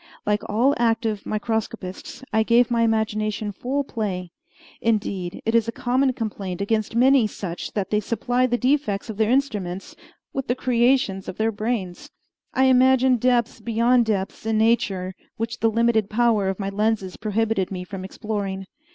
Like all active microscopists, I gave my imagination full play. Indeed, it is a common complaint against many such that they supply the defects of their instruments with the creations of their brains. I imagined depths beyond depths in nature which the limited power of my lenses prohibited me from exploring.